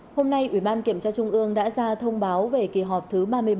hôm nay ủy ban kiểm tra trung ương đã ra thông báo về kỳ họp thứ ba mươi bảy